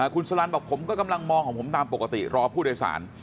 คุณสลันบอกผมก็กำลังมองของผมตามปกติรอผู้โดยสาร